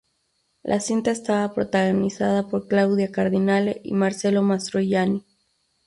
L a cinta estaba protagonizada por Claudia Cardinale y Marcello Mastroianni.